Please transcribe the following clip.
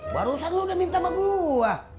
barusan lu udah minta sama gua